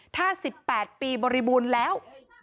ถ้า๑๘ปีบริบูรณ์แล้ว